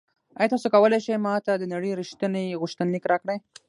ایا تاسو کولی شئ ما ته د نړۍ ریښتیني غوښتنلیک راکړئ؟